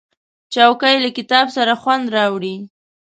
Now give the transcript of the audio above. چوکۍ له کتاب سره خوند راوړي.